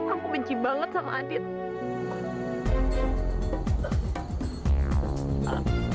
aku benci banget sama adit